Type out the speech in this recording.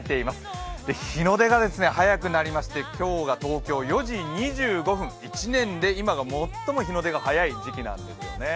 日の出が早くなりまして今日が東京、４時２５分、１年で今が最も日の出が早い時期なんですよね。